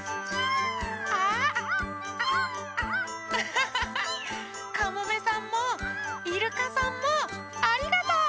ハハハハかもめさんもイルカさんもありがとう！